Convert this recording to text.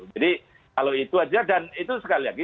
jadi kalau itu saja dan itu sekali lagi